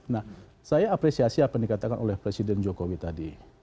nah saya apresiasi apa yang dikatakan oleh presiden jokowi tadi